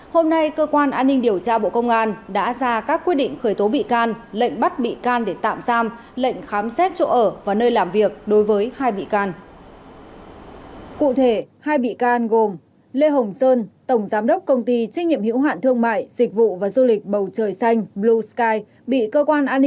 hôm nay cơ quan an ninh điều tra bộ công an đã ra các quyết định khởi tố bị can lệnh bắt bị can để tạm giam lệnh khám xét chỗ ở và nơi làm việc đối với hai bị can